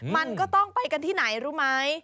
มันก็ต้องไปกันที่ไหนรู้ไหม